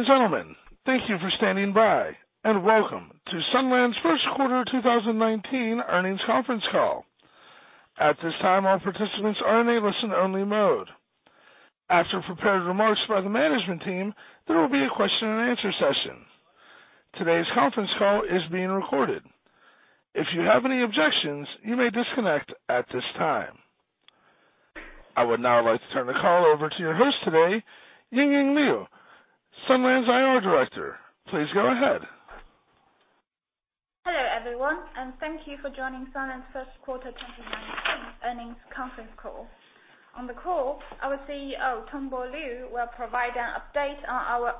Ladies and gentlemen, thank you for standing by, and welcome to Sunlands' first quarter 2019 earnings conference call. At this time, all participants are in a listen-only mode. After prepared remarks by the management team, there will be a Q&A session. Today's conference call is being recorded. If you have any objections, you may disconnect at this time. I would now like to turn the call over to your host today, Yingying Liu, Sunlands' IR Director. Please go ahead. Hello, everyone, and thank you for joining Sunlands' first quarter 2019 earnings conference call. On the call, our CEO, Tongbo Liu, will provide an update on our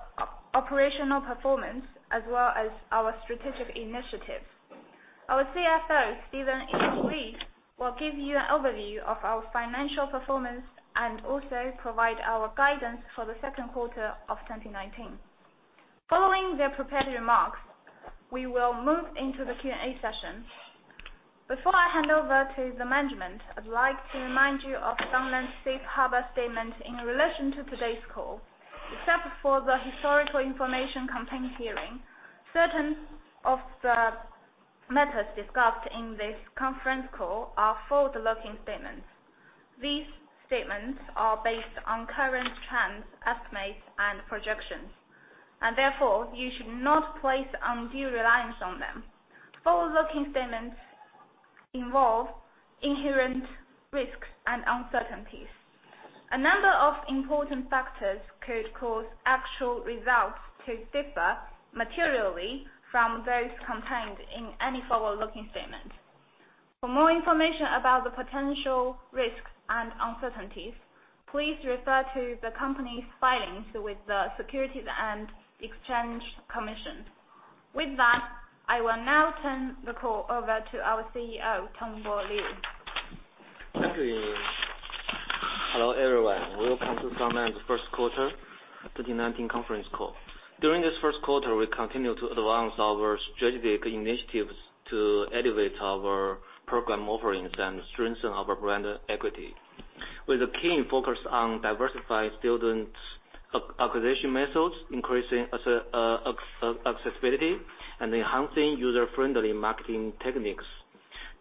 operational performance as well as our strategic initiatives. Our CFO, Steven Li, will give you an overview of our financial performance and also provide our guidance for the second quarter of 2019. Following their prepared remarks, we will move into the Q&A session. Before I hand over to the management, I'd like to remind you of Sunlands' safe harbor statement in relation to today's call. Except for the historical information contained herein, certain of the matters discussed in this conference call are forward-looking statements. These statements are based on current trends, estimates, and projections, and therefore you should not place undue reliance on them. Forward-looking statements involve inherent risks and uncertainties. A number of important factors could cause actual results to differ materially from those contained in any forward-looking statement. For more information about the potential risks and uncertainties, please refer to the company's filings with the Securities and Exchange Commission. With that, I will now turn the call over to our CEO, Tongbo Liu. Thank you, Yingying. Hello, everyone. Welcome to Sunlands' first quarter 2019 conference call. During this first quarter, we continued to advance our strategic initiatives to elevate our program offerings and strengthen our brand equity. With a keen focus on diversifying student acquisition methods, increasing accessibility, and enhancing user-friendly marketing techniques.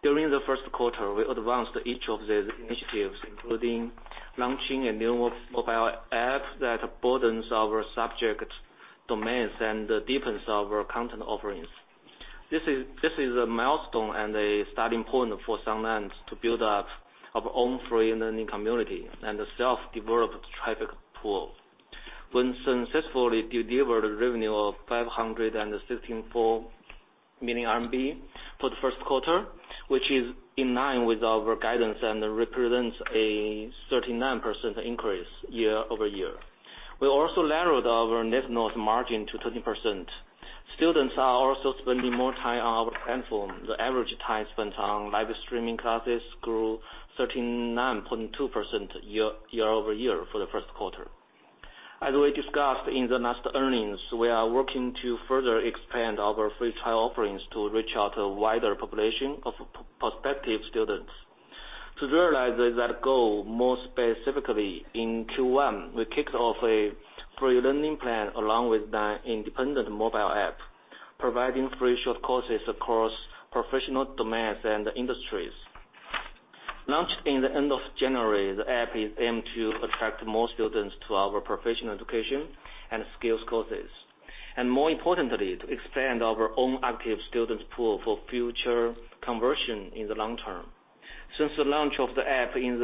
During the first quarter, we advanced each of these initiatives, including launching a new mobile app that broadens our subject domains and deepens our content offerings. This is a milestone and a starting point for Sunlands to build up our own free learning community and a self-developed traffic pool. We successfully delivered a revenue of 564 million RMB for the first quarter, which is in line with our guidance and represents a 39% increase year-over-year. We also narrowed our net loss margin to 20%. Students are also spending more time on our platform. The average time spent on live streaming classes grew 39.2% year-over-year for the first quarter. As we discussed in the last earnings, we are working to further expand our free trial offerings to reach out to a wider population of prospective students. To realize that goal, more specifically in Q1, we kicked off a free learning plan along with an independent mobile app, providing free short courses across professional domains and industries. Launched in the end of January, the app is aimed to attract more students to our professional education and skills courses. More importantly, to expand our own active students pool for future conversion in the long term. Since the launch of the app in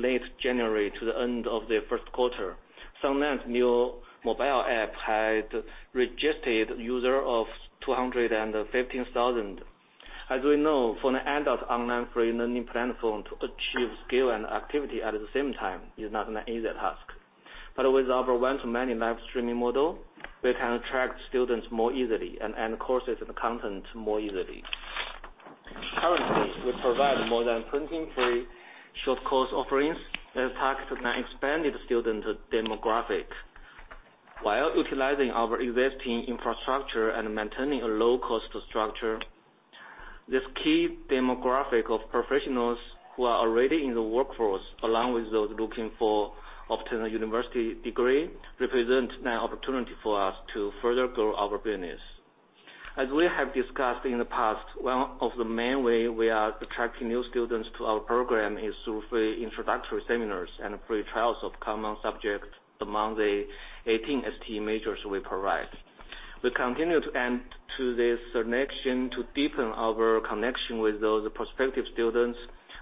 late January to the end of the first quarter, Sunlands' new mobile app had registered users of 215,000. As we know, for an adult online free learning platform to achieve scale and activity at the same time is not an easy task. With our one-to-many live streaming model, we can attract students more easily and add courses and content more easily. Currently, we provide more than 20 free short course offerings that target an expanded student demographic while utilizing our existing infrastructure and maintaining a low-cost structure. This key demographic of professionals who are already in the workforce, along with those looking for obtain a university degree, represent an opportunity for us to further grow our business. As we have discussed in the past, one of the main way we are attracting new students to our program is through free introductory seminars and free trials of common subjects among the 18 STE majors we provide. We continue to add to this selection to deepen our connection with those prospective students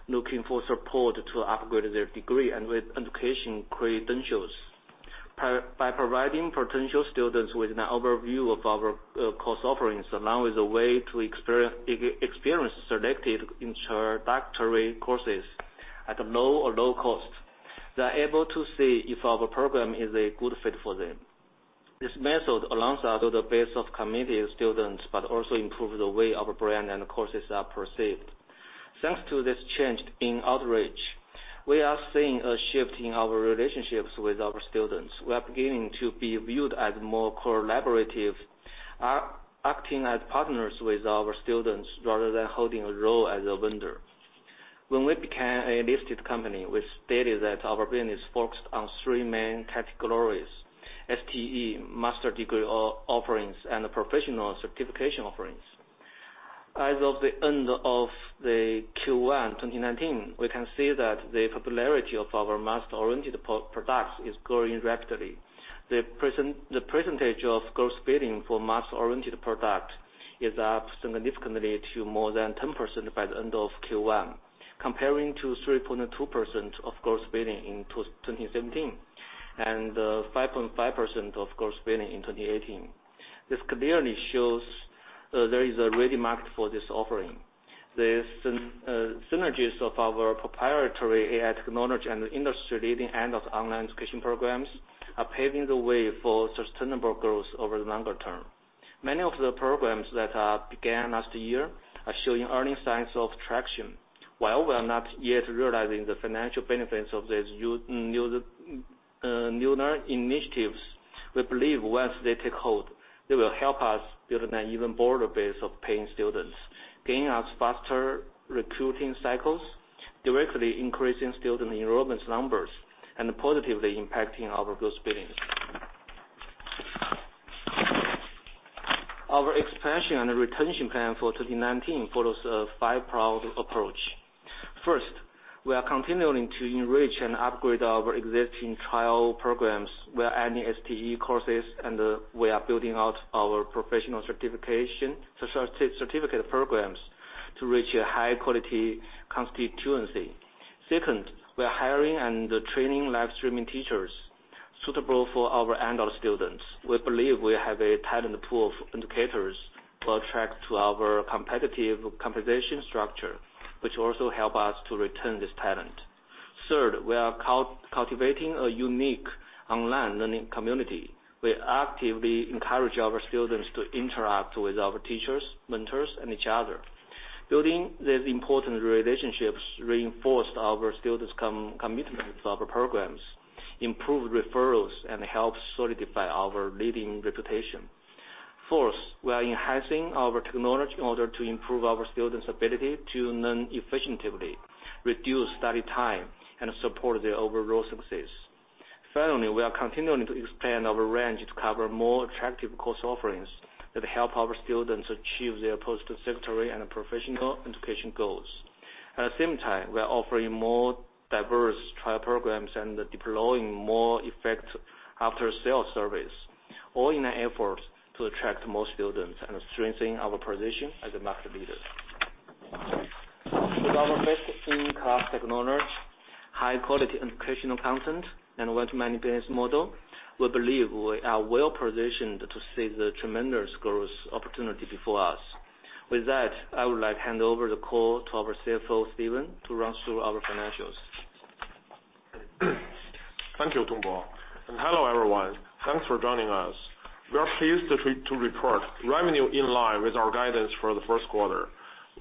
looking for support to upgrade their degree and with education credentials. By providing potential students with an overview of our course offerings, along with a way to experience selected introductory courses at a low cost, they're able to see if our program is a good fit for them. This method allows us to build a base of committed students, but also improve the way our brand and courses are perceived. Thanks to this change in outreach, we are seeing a shift in our relationships with our students. We are beginning to be viewed as more collaborative, acting as partners with our students rather than holding a role as a vendor. When we became a listed company, we stated that our business focused on three main categories: STE, master degree offerings, and professional certification offerings. As of the end of the Q1 2019, we can see that the popularity of our master-oriented products is growing rapidly. The percentage of gross billing for master-oriented product is up significantly to more than 10% by the end of Q1, comparing to 3.2% of gross billing in 2017, and 5.5% of gross billing in 2018. This clearly shows there is a ready market for this offering. The synergies of our proprietary AI technology and the industry-leading end of online education programs are paving the way for sustainable growth over the longer term. Many of the programs that began last year are showing early signs of traction. While we are not yet realizing the financial benefits of these new initiatives, we believe once they take hold, they will help us build an even broader base of paying students, gain us faster recruiting cycles, directly increasing student enrollment numbers, and positively impacting our gross billings. Our expansion and retention plan for 2019 follows a five-pronged approach. First, we are continuing to enrich and upgrade our existing trial programs. We're adding STE courses and we are building out our professional certificate programs to reach a high-quality constituency. Second, we're hiring and training live-streaming teachers suitable for our adult students. We believe we have a talent pool of educators who are attracted to our competitive compensation structure, which also help us to retain this talent. Third, we are cultivating a unique online learning community. We actively encourage our students to interact with our teachers, mentors, and each other. Building these important relationships reinforce our students' commitment to our programs, improve referrals, and help solidify our leading reputation. Fourth, we are enhancing our technology in order to improve our students' ability to learn effectively, reduce study time, and support their overall success. Finally, we are continuing to expand our range to cover more attractive course offerings that help our students achieve their post-secondary and professional education goals. At the same time, we are offering more diverse trial programs and deploying more effective after-sales service, all in an effort to attract more students and strengthen our position as a market leader. With our best-in-class technology, high-quality educational content, and wide management model, we believe we are well-positioned to seize the tremendous growth opportunity before us. With that, I would like to hand over the call to our CFO, Steven, to run through our financials. Thank you, Tongbo. Hello, everyone. Thanks for joining us. We are pleased to report revenue in line with our guidance for the first quarter.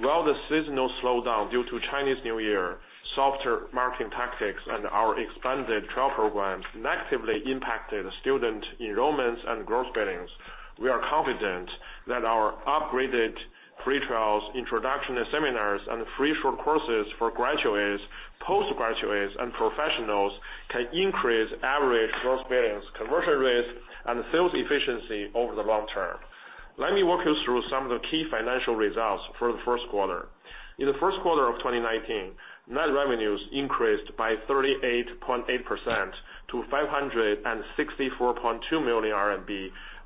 While the seasonal slowdown due to Chinese New Year, softer marketing tactics, and our expanded trial programs negatively impacted student enrollments and gross billings, we are confident that our upgraded free trials, introduction and seminars, and free short courses for graduates, post-graduates, and professionals can increase average gross billings, conversion rates, and sales efficiency over the long term. Let me walk you through some of the key financial results for the first quarter. In the first quarter of 2019, net revenues increased by 38.8% to 564.2 million RMB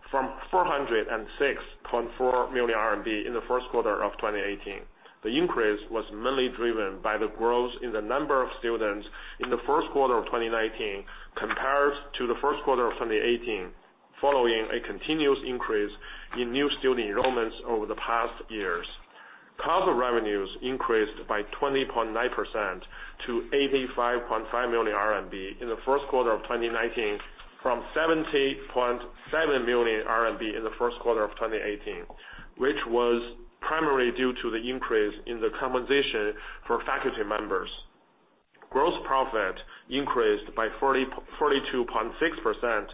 from 406.4 million RMB in the first quarter of 2018. The increase was mainly driven by the growth in the number of students in the first quarter of 2019 compared to the first quarter of 2018, following a continuous increase in new student enrollments over the past years. Cost of revenues increased by 20.9% to 85.5 million RMB in the first quarter of 2019 from 70.7 million RMB in the first quarter of 2018, which was primarily due to the increase in the compensation for faculty members. Gross profit increased by 42.6%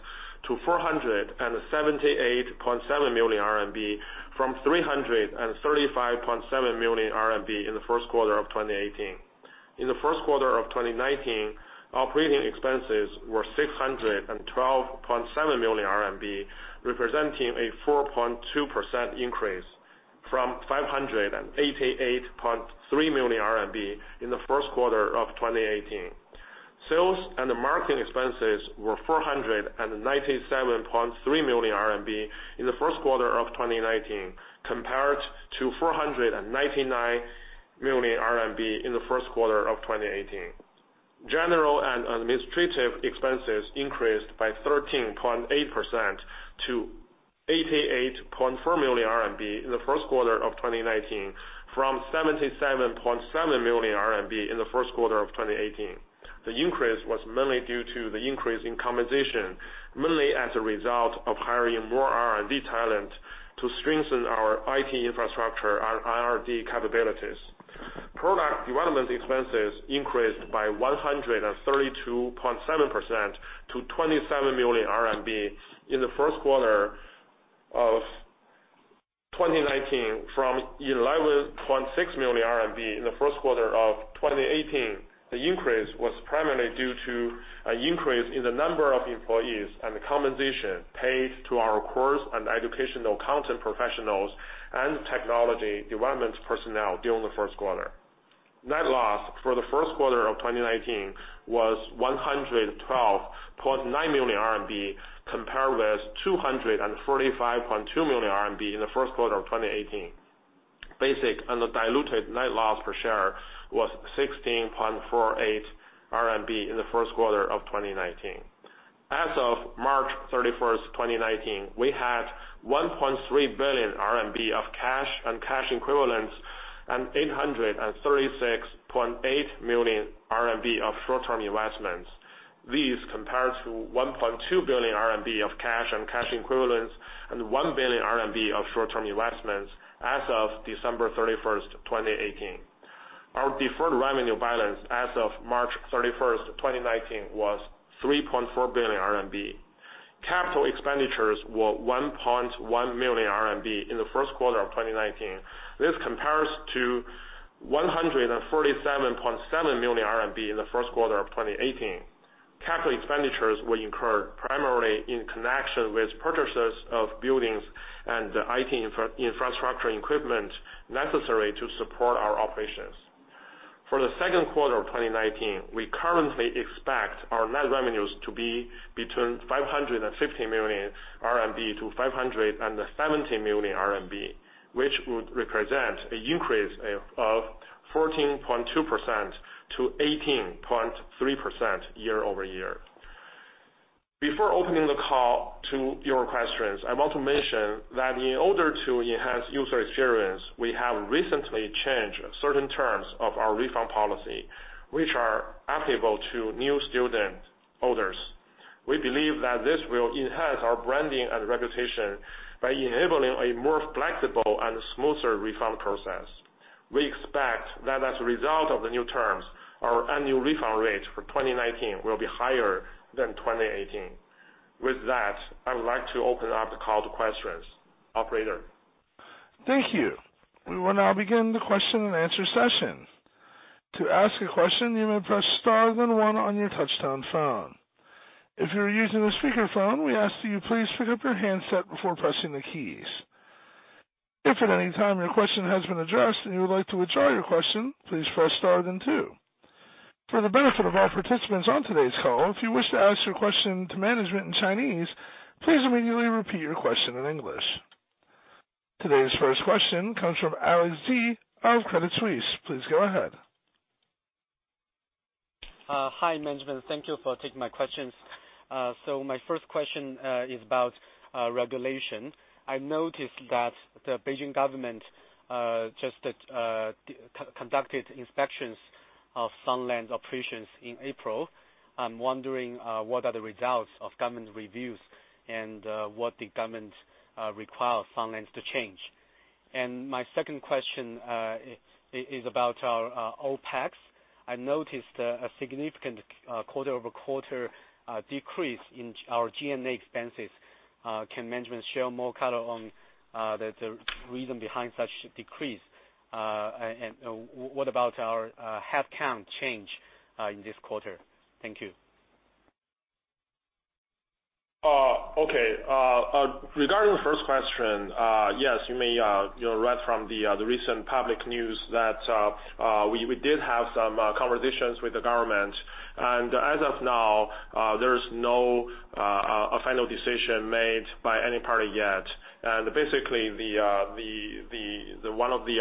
to 478.7 million RMB from 335.7 million RMB in the first quarter of 2018. In the first quarter of 2019, operating expenses were 612.7 million RMB, representing a 4.2% increase from 588.3 million RMB in the first quarter of 2018. Sales and marketing expenses were 497.3 million RMB in the first quarter of 2019, compared to 499 million RMB in the first quarter of 2018. General and administrative expenses increased by 13.8% to 88.4 million RMB in the first quarter of 2019 from 77.7 million RMB in the first quarter of 2018. The increase was mainly due to the increase in compensation, mainly as a result of hiring more R&D talent to strengthen our IT infrastructure and R&D capabilities. Product development expenses increased by 132.7% to 27 million RMB in the first quarter of 2019 from 11.6 million RMB in the first quarter of 2018. The increase was primarily due to an increase in the number of employees and the compensation paid to our course and educational content professionals and technology development personnel during the first quarter. Net loss for the first quarter of 2019 was 112.9 million RMB, compared with 245.2 million RMB in the first quarter of 2018. Basic and diluted net loss per share was 16.48 RMB in the first quarter of 2019. As of March 31st, 2019, we had 1.3 billion RMB of cash and cash equivalents and 836.8 million RMB of short-term investments. These compare to 1.2 billion RMB of cash and cash equivalents and 1 billion RMB of short-term investments as of December 31st, 2018. Our deferred revenue balance as of March 31st, 2019, was 3.4 billion RMB. Capital expenditures were 1.1 million RMB in the first quarter of 2019. This compares to 147.7 million RMB in the first quarter of 2018. Capital expenditures were incurred primarily in connection with purchases of buildings and IT infrastructure equipment necessary to support our operations. For the second quarter of 2019, we currently expect our net revenues to be between 550 million RMB to 570 million RMB, which would represent an increase of 14.2%-18.3% year-over-year. Before opening the call to your questions, I want to mention that in order to enhance user experience, we have recently changed certain terms of our refund policy, which are applicable to new student holders. We believe that this will enhance our branding and reputation by enabling a more flexible and smoother refund process. We expect that as a result of the new terms, our annual refund rate for 2019 will be higher than 2018. With that, I would like to open up the call to questions. Operator. Thank you. We will now begin the question and answer session. To ask a question, you may press star then one on your touch-tone phone. If you are using a speakerphone, we ask that you please pick up your handset before pressing the keys. If at any time your question has been addressed and you would like to withdraw your question, please press star then two. For the benefit of all participants on today's call, if you wish to ask your question to management in Chinese, please immediately repeat your question in English. Today's first question comes from Alex Xie of Credit Suisse. Please go ahead. Hi, management. Thank you for taking my questions. My first question is about regulation. I noticed that the Beijing government just conducted inspections of Sunlands operations in April. I'm wondering what are the results of government reviews and what the government requires Sunlands to change. My second question is about our OPEX. I noticed a significant quarter-over-quarter decrease in our G&A expenses. Can management share more color on the reason behind such a decrease? What about our headcount change in this quarter? Thank you. Okay. Regarding the first question, yes, you may read from the recent public news that we did have some conversations with the government. As of now, there's no final decision made by any party yet. One of the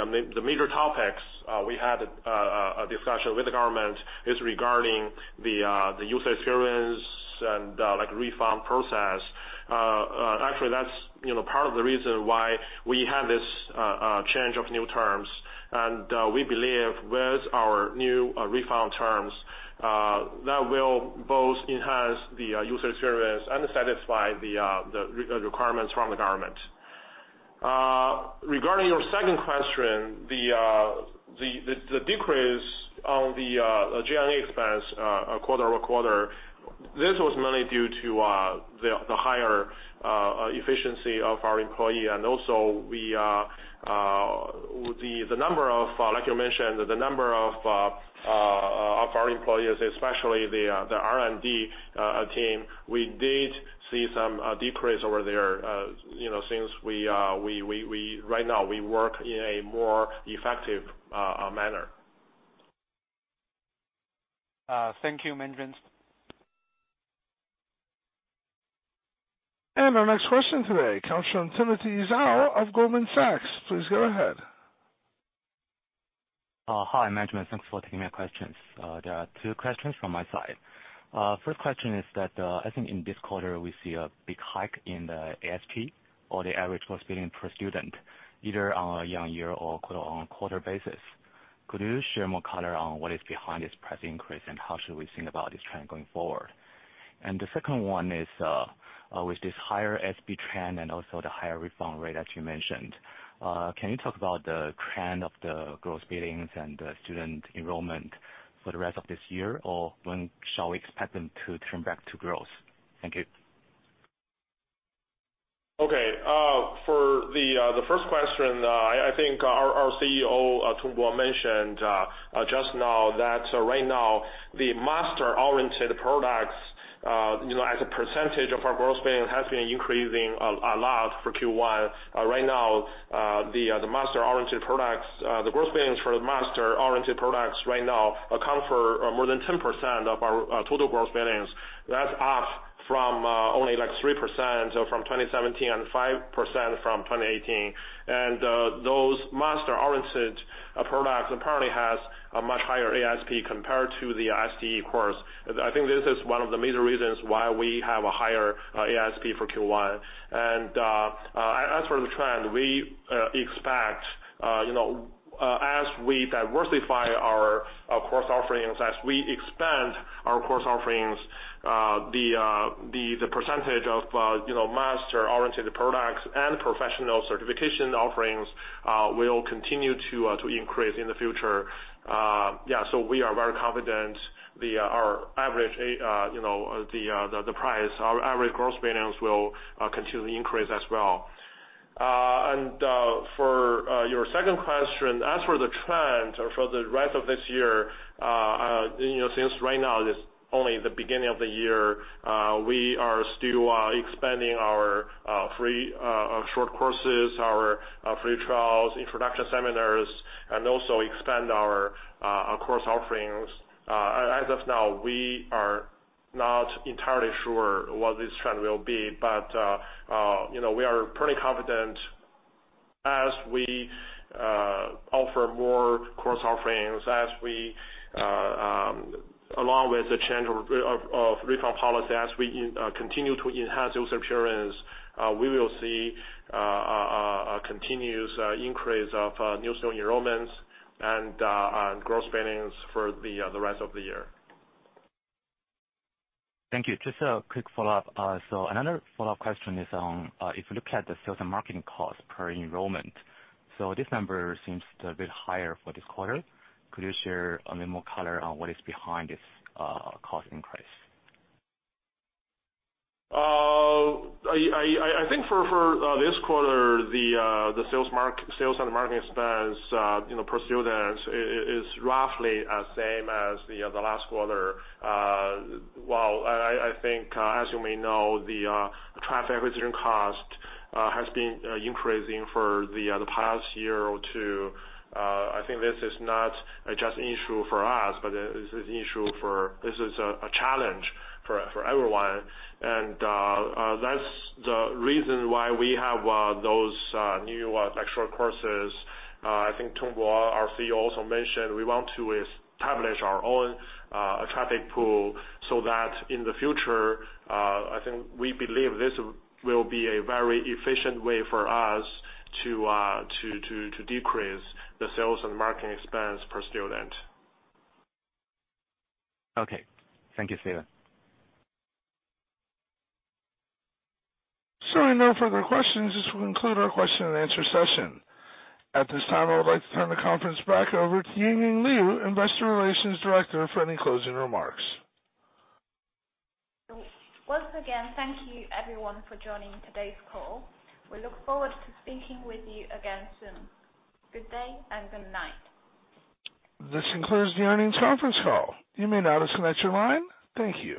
major topics we had a discussion with the government is regarding the user experience and the refund process. That's part of the reason why we have this change of new terms. We believe with our new refund terms, that will both enhance the user experience and satisfy the requirements from the government. Regarding your second question, the decrease on the G&A expense quarter-over-quarter, this was mainly due to the higher efficiency of our employee, and also like you mentioned, the number of our employees, especially the R&D team, we did see some decrease over there since right now we work in a more effective manner. Thank you, management. Our next question today comes from Timothy Zhao of Goldman Sachs. Please go ahead. Hi, management. Thanks for taking my questions. There are two questions from my side. First question is that I think in this quarter we see a big hike in the ASP or the average gross billing per student, either on a year or on quarter basis. Could you share more color on what is behind this price increase, and how should we think about this trend going forward? The second one is, with this higher ASP trend and also the higher refund rate that you mentioned, can you talk about the trend of the gross billings and student enrollment for the rest of this year? Or when shall we expect them to turn back to growth? Thank you. Okay. For the first question, I think our CEO, Tongbo, mentioned just now that right now the master-oriented products as a percentage of our gross billings has been increasing a lot for Q1. Right now, the gross billings for the master-oriented products right now account for more than 10% of our total gross billings. That's up from only 3% from 2017 and 5% from 2018. Those master-oriented products apparently have a much higher ASP compared to the STE course. I think this is one of the major reasons why we have a higher ASP for Q1. As for the trend, we expect as we diversify our course offerings, as we expand our course offerings, the percentage of master-oriented products and professional certification offerings will continue to increase in the future. We are very confident the price, our average gross billings will continue to increase as well. For your second question, as for the trend for the rest of this year, since right now it is only the beginning of the year, we are still expanding our free short courses, our free trials, introduction seminars, and also expand our course offerings. As of now, we are not entirely sure what this trend will be, but we are pretty confident as we offer more course offerings, along with the change of refund policy, as we continue to enhance user experience, we will see a continuous increase of new student enrollments and gross billings for the rest of the year. Thank you. Just a quick follow-up. Another follow-up question is on, if you look at the sales and marketing cost per enrollment, this number seems a bit higher for this quarter. Could you share a little more color on what is behind this cost increase? I think for this quarter, the sales and marketing expense per student is roughly the same as the last quarter. I think, as you may know, the traffic acquisition cost has been increasing for the past year or two. I think this is not just an issue for us, but this is a challenge for everyone. That's the reason why we have those new lecture courses. I think Tongbo, our CEO, also mentioned we want to establish our own traffic pool so that in the future, I think we believe this will be a very efficient way for us to decrease the sales and marketing expense per student. Okay. Thank you, Steven. Seeing no further questions, this will conclude our question and answer session. At this time, I would like to turn the conference back over to Yingying Liu, Investor Relations Director, for any closing remarks. Once again, thank you everyone for joining today's call. We look forward to speaking with you again soon. Good day and good night. This concludes the earnings conference call. You may now disconnect your line. Thank you.